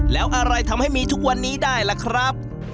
แล้วอะไรทำให้มีทุกวันนี้ได้ล่ะครับ